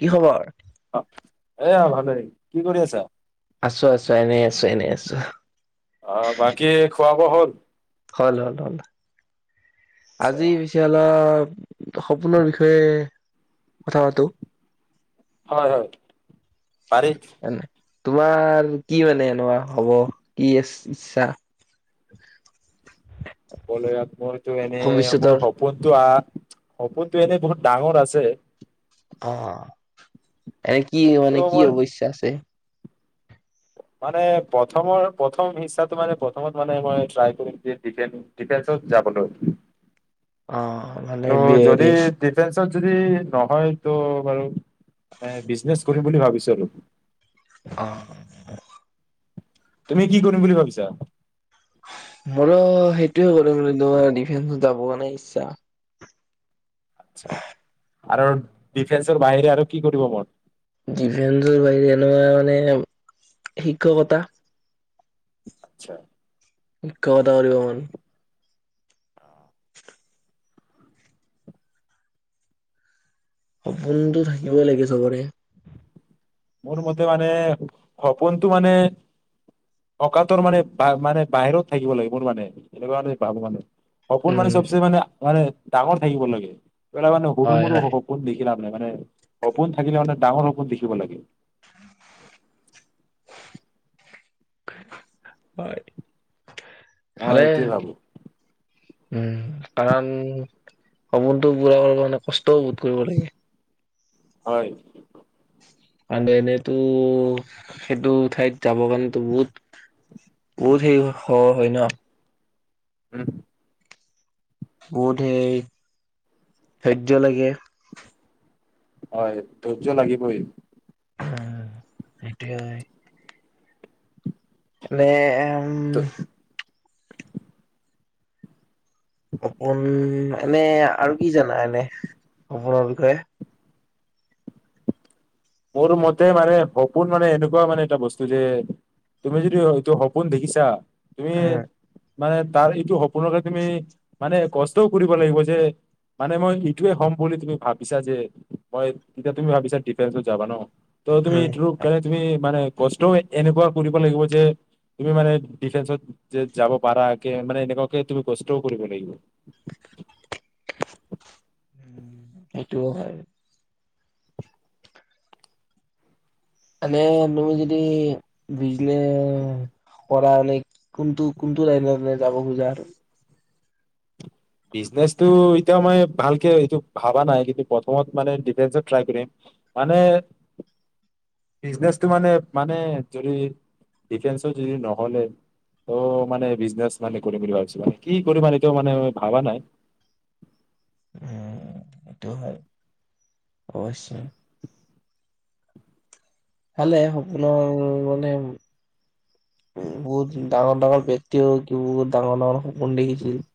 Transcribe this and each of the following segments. কি খবৰ? এয়া ভালেই কি কৰি আছা। আছো আছো এনে আছো এনে আছো অ বাকী খোৱা বোৱা হ'ল? হল হল হল আচ্ছা আজি পিছে অলপ সপোনৰ বিষয়ে কথা পাতো হয় হয় পাৰি এনে তোমাৰ কি মানে এনেকুৱা হ'ব কিচ ইচ্ছা? হ'বলৈ আ তো এনেই মোৰ ভৱিষ্যতৰ সপোনটো আ সপোনটো এনেই বহুত ডাঙৰ আছে। অ এ কি ত' মানে কি মোৰ হৱ ইচ্ছা আছে। মানে প্ৰথমৰ প্ৰথম ইচ্ছাটো মানে প্ৰথমত মানে মই ট্ৰাই কৰিম যে ডিফেন্সত যাবলৈ অ অ আৰু ভালেই যদি বিয়েৰি ডিফেন্সত যদি নহয় তো বাৰু মানে বিজনেছ কৰিম বুলি ভাবিছো আৰু অ তুমি কি কৰিম বুলি ভাবিছা? মোৰো সেইটোয়ে কৰিব ডিফেন্সত যাব কাৰণে ইচ্ছা আচ্ছা আৰু ডিফেন্সৰ বাহিৰে আৰু কি কৰিব মন ডিভেন্সৰ বাহিৰে এনো মানে শিক্ষকতা আচ্ছা শিক্ষকতা কৰিব মন সপোনটো থাকিবই লাগে চবৰে মোৰ মতে মানে সপোনটো মানে অকাতৰ মানে মানে বাহিৰত থাকিব লাগে মোৰ মানে এনেকুৱা মানে ভাবো মানে সপোন মানে উম চবচে মানে মানে ডাঙৰ থাকিব লাগে [unintelligible] লাভ হয় হয় নাই মানে সপোন থাকিলে মানে ডাঙৰ সপোন দেখিব লাগে হয় মই ভালে এইটোৱে ভাবোঁ। উম, কাৰণ সপোনটো পুৰা কৰিবৰ কাৰণে কষ্টও বহুত কৰিব লাগে। হয়। এনেইতো সেইটো ঠাইত যাব কাৰণেতো বহুত, বহুত সেই হয় ন'। উম। বহুত সেই ধৈৰ্য লাগে। হয়, ধৈৰ্য্য লাগিবই। হয়, হয় সেইটোৱে হয়। নে উম। অকণ এনে আৰু কি জানা? এনে সপোনৰ বিষয়ে। মোৰ মতে মানে সপোন মানে এনেকুৱা মানে এটা বস্তু যে তুমি যদি এইটো সপোন দেখিছা। তুমি উম মানে তাৰ এইটো সপোনৰকে তুমি মানে কষ্টও কৰিব লাগিব যে মানে মই এইটোৱে হ'ম বুলি তুমি ভাবিছা যে, মই, এতিয়া তুমি ভাবিছা দুফেংস্ত যাবা ন? তো তুমি উম টো কালে তুমি মানে কষ্টও এনেকুৱা কৰিব লাগিব যে তুমি মানে ডিফেন্সত যে যাব পাৰাকে মানে এনেকুৱাকে তুমি কষ্টও কৰিব লাগিব। উম সেইটোও হয়। এনে তুমি যদি বিজনেচ, কৰা নে কোনটো কোনটো লাইন মানে যাব খোজা আৰু? বিজনেচটো এতিয়া মই ভালকে এইটো ভাবা নাই। কিন্তু প্ৰথমত মানে ডিফেন্সত ট্ৰাই কৰিম। মানে বিজনেচটো মানে মানে যদি ডিফেন্সত যদি নহ'লে তো মানে বিজনেচ মানে কৰিম বুলি ভাবছো কি কৰিম মানে এতিয়াও মানে ভাৱা নাই। উ এইটোও হয় অৱশ্যে। ভালে সপোনৰ মানে উ বহুত ডাঙৰ ডাঙৰ ব্যক্তিও বহুত ডাঙৰ ডাঙৰ পোন দেখিছিল।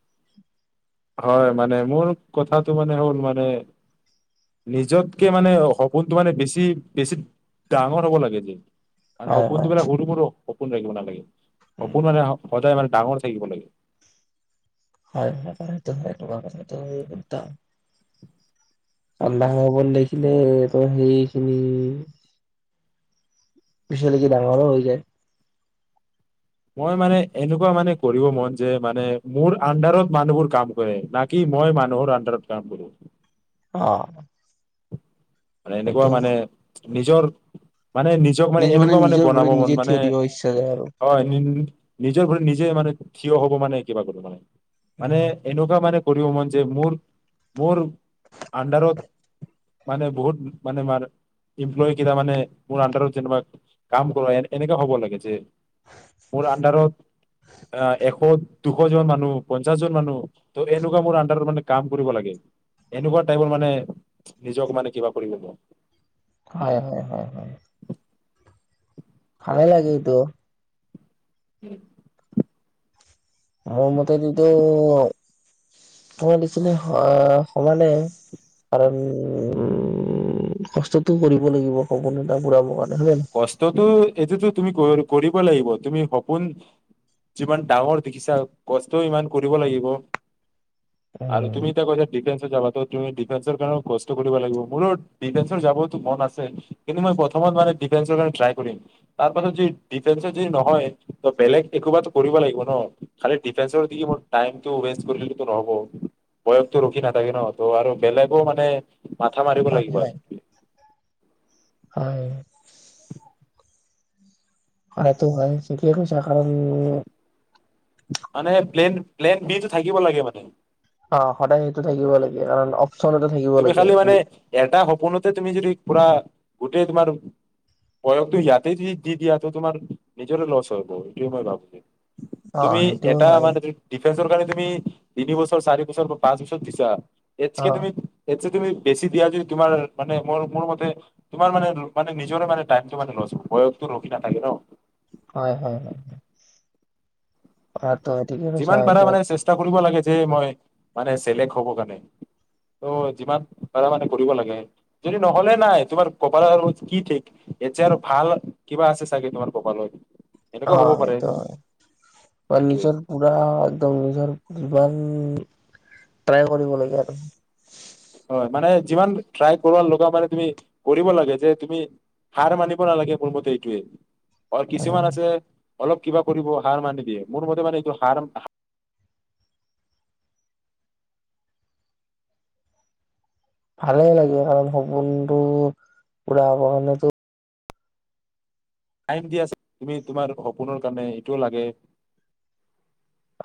হয় মানে মোৰ কথাটো মানে হ'ল মানে। নিজতকে মানে সপোনটো মানে বেছি বেছি ডাঙৰ হ'ব লাগে যে। আৰু হয় সপোন হয় বিলাক হুৰুমুৰু, সপোন ৰাখিব নালাগে। উম, সপোন মানে হা সদায় মান ডাঙৰ থাকিব লাগে। হয় হয় হয় এইটো কথা হয়। এইটো একদম ভাললগা সপোন দেখিলে তো সেইখিনি পিছলেকি ডাঙৰো হৈ যায়। মই মানে এনেকুৱা মানে কৰিব মন যে মানে মোৰ আণ্ডাৰত মানুহবোৰ কাম কৰে না কি মই মানুহৰ আণ্ডাৰত কাম কৰোঁ। অ। মানে এনেকুৱা সেইটো মানে নিজৰ মানে নিজক মানে নিজ এনেকুৱা মানে নিজৰ বনাব ভৰিত মন নিজে মানে, থিয় দিব ইচ্ছা যায় আৰু হয়। নিজৰ ভৰিত নিজে মানে থিয় হ'ব মানে কিবা গ'লো মানে। মানে এনেকুৱা মানে কৰিব মন যাই, মোৰ-মোৰ উন্দাৰত মানে? বহুত মানে মাৰ এম্পলয় কাইটামনে, মোৰ আডাৰত যো কাম কৰা, এনেুৱা হব লাগে যে মোৰ আডাৰত এশ, দুশ জন মানুহ পঞ্চাশ জন মানুহ ত এনেকুৱা মোৰ আডাৰত মানে কাম কৰিব লাগে। এনেকুৱা টাই মানে নিজক মানে কিবা? [inaudible] হয়, হয়, হয়, হয়। ভালে লাগে এটো। উম। মোৰ মতে এইতো তমই দিছিলে, সমানাই কাৰণ উ কষ্টতটো কৰিব লাগিব সপোন এটা ঘুৰাব কাৰণে। হয় নে কষ্টতো এটোতো? তুমি কৰিব লাগিব। তুমি সপোন যিমান ডাঙৰ দেখিছা কষ্টও ইমান কৰিব লাগিব। আৰু তুমি ত কৈছ ডিফেন্ঞ্চত যাবো তুমি ডিফেন্সৰ কাৰণেও কষ্ট কৰিব লাগিব। মোৰো ডিফেন্সৰ যাবতো মন আছে, কিন্তু মই প্ৰথমত মানে দিফান্সৰ কাৰণে ট্ৰয় কৰিম, তাৰ পিছত দিফান্সত যদি নহয় বেলেগ কৰোবাত কৰিব লাগিব ন, খালি দিফান্সৰ দি টাইমতো ৱেষ্ট কৰিলে নহব বয়সটো ৰখি নাথাকে ন, আৰু বেলেগে ও মানে? মাথা মাৰিব লাগিব নহয়? আৰু। হয় হয় হয় আৰু তো ভ শিক কৈছা কাৰণ? মানে স প্লেন, প্লেন বি টো থাকিব লাগে মানে। অ, সদায় সেইটো থাকিব লাগে, কাৰণ? অপচন এটা থাকিব তুমি লাগে খালি মানে বুলি এটা সপোনতে তুমি যদি? পুৰা গোটেই তোমাৰ বয়সটো ইয়াতে য দি দিয়া তো তোমাৰ নিজৰে লছ হ এইটো মই ভাবো। অ তুমি সেইটোও এটা হয় মানে দিফেন্সৰ কাৰণে তুমি তিনি বছৰ, চাৰি বছৰ বা পাঁচ বছৰ দিছা। এইত কে অ তুমি? তুমি বেছি দিয়া যদি তোমাৰ মানে মোৰ-মোৰ মতে তোমাৰ মানে মানে নিজৰে মানে টাইমটো মে বয়সটো ৰখি নাথাকে ন। হয়, হয়, হয়। অ। যিমান পাৰা মানে চেষ্টা কৰিব লাগে। যে মই মানে চেলেক্ত হব কাৰণে ত যিমান পাৰা মানে কৰিব লাগে। যদি নহলে নাই তোমাৰ কপালৰ কি ঠিক এতিয়া আৰু ভাল কিবা আছে চাগে তোমাৰ কপালত। অ, এনেকুৱা হ'ব পাৰে সেইটো হয়া, সেইটোৱে কণ্ডিচন। পুৰা একদম নিজৰ যিমান ট্ৰাই কৰিব লাগে আৰু। মানে যিমান ট্ৰাই লগা মানে তুমি কৰিব লাগে, যে তুমি হাৰ মানিব নালাগে মোৰ মতে এইটোয়ে। আৰু কিছুমান আছে? অলপ কিবা কৰিব হাৰ মানি দিয়ে। মোৰ মতে মানে এইটো হাৰ ভালে লাগে, কাৰণ সপোনটো পোৰা হ'ব কাৰণেতো। টাইম দিয়া তুমি তোমাৰ সপোনৰ কাৰণে এইটোও লাগে।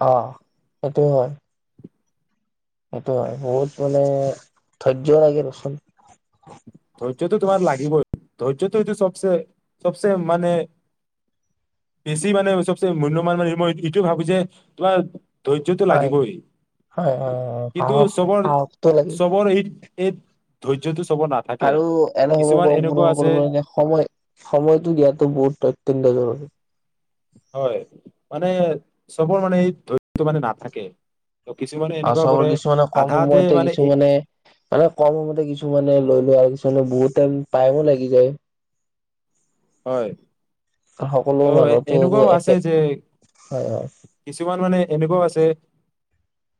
অ, সেইটো হয়। সেইটো হয় বহুত মানে ধৈৰ্য লাগে দেচোন। ধৈৰ্যটো তোমাৰ লাগিবই। ধৈৰ্যটো এইটো চবচে-চবচে মানে বেছি মানে চবচে মূল্যমানান মানে মই এইটো ভাবো যে তোমাৰ ধৈৰ্যটো হয় লাগিবই হয় হয় হয় কিন্তু সাহস সাহসটো লাগে চবৰ-চবৰ এই এই ধৈৰ্যতো আৰু এনে সহায় কৰিব আছে কাৰনে সময় সময়তটো দিয়াটো বহুত অইটতন্ত জৰুৰী। হয় মানে চবৰ মানে এই ধৈয্যতো মানে নাথাকে। ত কিছুমানে আৰু এনেকুৱা চবৰে কৰে কিছুমানে কম আধাতে সময়তে মানে এ কিছুমানে মানে কম সময়তে কিছুমানে লৈ লয়। বহুত টাইম-টাইমো লাগি যায়। হয়। সকলো অ মানুহতো এনেকুৱাও আছে একে যে হয় হয় কিছুমান মানে এনেকুৱাও আছে।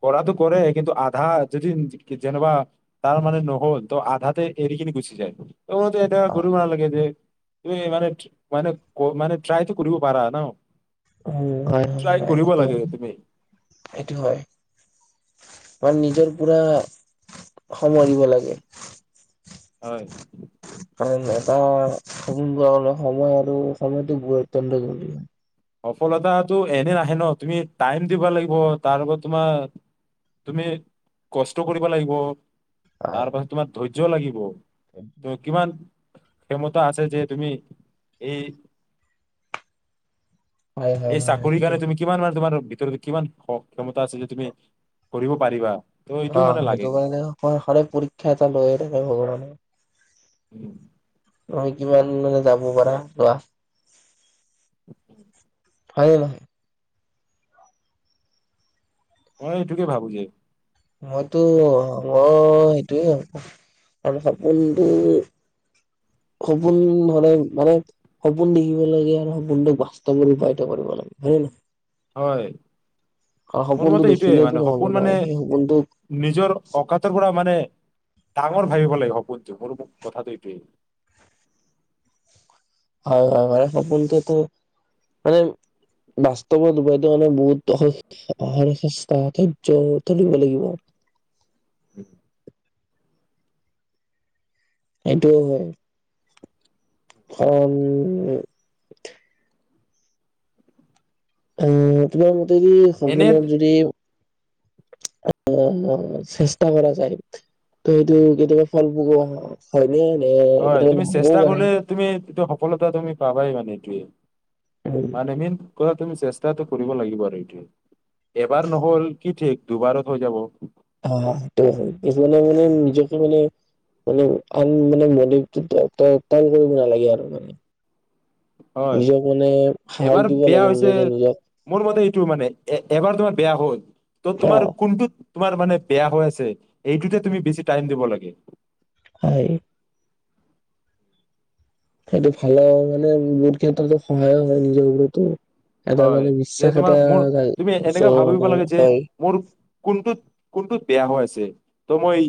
কৰাটো কৰে কিন্তু আধা মানে যেনবা তাৰ মানে নহ'ল তো আধাতে এৰি কিনে গুচি যায়। মোক এতিয়া অ গৰু মাল লাগে যে। এই মানে-মানে-মানে। ট্ৰাইতো কৰিব পাৰা ন। উ ট্ৰাই হয়-হয়, কৰিব লাগে তুমি সেইটো-সেইটো হয়। আৰু নিজৰ পোৰা সময় দিব লাগে। হয়। তাৰ এটা সপোন মনে সময় আৰু সময়টো বৰ অতন্ত জৰুৰী। সফলতাটো এনে নাহে ন তুমি টাইম দিব লাগিব অলপ তোমাৰ তুমি কষ্ট কৰিব লাগিব। তাৰ পাছত তোমাৰ ধৰি। য্য লাগিব কোনো ত ধ্বনি নাই। কিমান [unintelligible] ক্ষমতা আছে যে তুমি এই। হয় হয় এই হয় হয় চাকৰি সেইটো কাৰনে হয়। তুমি কিমান আৰু তোমাৰ। কিমান ক্ষমতা আছে যে তুমি কৰিব পাৰিবা। ত এইটো অ' মানে লাগে সেইটো কাৰণে পৰীক্ষা এটা লৈয়ে থাকো মানে। উম। তুমি কিমান মানে যাব পাৰা যোৱা। [unintelligible] হয়। মই এইটোকে ভাবো গে, মইতো মই সেইটোয়ে হব, আৰু সপোনটো, -সপোন হলে মানে সপোন দেখিব লাগে আৰু সপোনটোক বাস্তৱত ৰূপায়িত কৰিব লাগে হয়নে নহয়? হয়। আৰু মোৰ সপোনটো মতে, এইটোৱে দেখিলেতো মানে নহ'ব সপোন নহয় মানে সেই সপোনটোক নিজৰ অকাতৰ পৰা মানে, ডাঙৰ ভাবিব লাগিব সপোনটো মোৰ কথাটো এইটো এ, হয়- হয়- হয় সপোনতুটো মানে বাস্তৱত ৰুপায়ত হলে বহুত খিষ্ঠা, ধৈয্যৰ থল হব লাগিব। [unintelligible] সেইটোও হয়, কাৰণ উম, তোমাৰ মোক যদি এনে সপোনত যদি, অ, চেষ্টা কৰা যায় ত, সেইটো কেতিয়াবা ফল পোৱা হয়। নে নে হয় এইটো টো তুমি নহ'বও চেষ্টা পাৰে। কৰিলে তুমি এইটো সফলতা তুমি পাবাই মানে এইটোৱে [unintelligible] তুমি চেষ্টাটো কৰিব লাগিব, আৰু এইটো এবাৰ নহ'ল কি ঠিক দুবাৰত হৈ যাব। আহ, সেইটো হয় কিছুমানে- মানে নিজকে মানে- মানে আন বডিটো মানে তল কৰিব নালাগে আৰু মানে হয়, নিজক মানে সাহস এবাৰ দিব বেয়া লাগে হৈছে নিজকে মোৰ মতে এইটো মানে এ, এবাৰ তোমাৰ বেয়া হ'ল ত নিজক অ তোমাৰ কোনটো, তোমাৰ মানে বেয়া হৈ আছে, এইটোতে তুমি বেছি টাইম দিব লাগে। হয়। সেইটো ভালৰ মানে বহুত ক্ষেত্ৰত সহায়ক হয় নিজৰ ওপৰতো এটা হয়, মানে যে বিশ্বাস তোমাৰ এটা মোৰ মানে তুমি এনেকা ভাবিব লাগে যে হয়। মোৰ, কোনটোত -কোনটোত বেয়া হৈ আছে ত' মই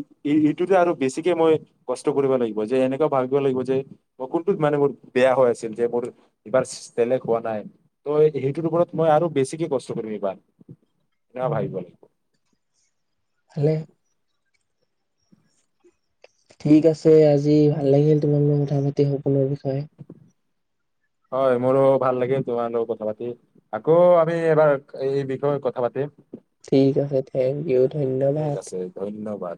এইটোতে আৰু বেছিকে মই কষ্ট কৰিবা লাগিব যে এনেকুৱা ভাবিব লাগিব যে মই কোনটোত মানে মোৰ বেয়া হৈ আছিল যে মোৰ এইবাৰ চেলেক হোৱা নাই। ত'সেইটোৰ ওপৰত মই আৰু বেছিকে কষ্ট কৰিম এইবাৰ। [unintelligible] ভালে। ঠিক আছে, আজি ভাল লাগিল তোমাৰ মই কথা পাতি সপোনৰ বিষয়ে। হয়, মোৰো ভাল লাগিল তোমাৰ লগত কথা পাতি আকৌ আমি এবাৰ এই বিষয়ে কথা পাতিম? ঠিক আছে, থেংক ইউ ঠিক ধন্যবাদ। আছে ধন্যবাদ